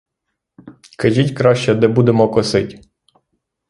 Кажіть краще, де будемо косить?